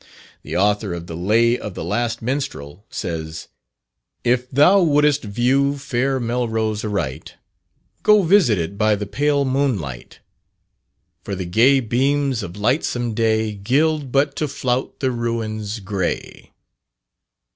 The author of the "Lay of the Last Minstrel," says: "If thou wouldst view fair Melrose aright, Go visit it by the pale moonlight: For the gay beams of lightsome day Gild but to flout the ruins gray."